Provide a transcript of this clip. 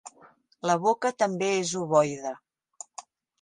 La boca també és ovoide.